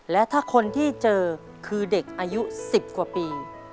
และถ้าคนที่เจอคือเด็กอายุ๑๐กว่าปี